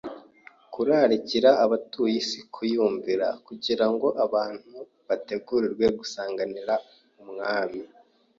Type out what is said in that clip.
kurarikira abatuye isi kuyumvira, kugira ngo abantu bategurirwe gusanganira Umwami